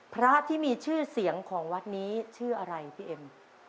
พระที่มีชื่อเสียงของวัดนี้ชื่ออะไรพี่เอ็ม